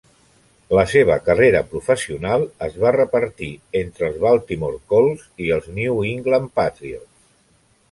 La seva carrera professional es va repartir entre els Baltimore Colts i els New England Patriots.